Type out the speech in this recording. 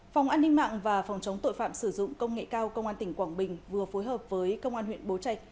phòng an ninh mạng và phòng chống tội phạm sử dụng công nghệ cao công an tỉnh quảng bình vừa phối hợp với công an huyện bố trạch